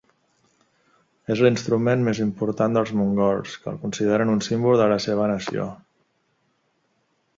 És l'instrument més importat dels mongols que el consideren un símbol de la seva nació.